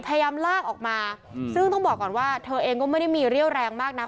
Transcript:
พยายามลากออกมาซึ่งต้องบอกก่อนว่าเธอเองก็ไม่ได้มีเรี่ยวแรงมากนะ